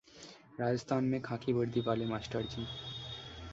राजस्थान में खाकी वर्दी वाले मास्टरजी